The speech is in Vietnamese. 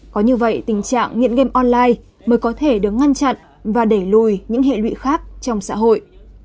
có như vậy tình trạng nghiện game online mới có thể được ngăn chặn và đẩy lùi những hệ lụy khác trong xã hội